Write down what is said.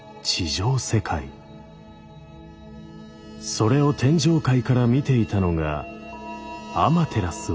それを天上界から見ていたのがアマテラスオオミカミ。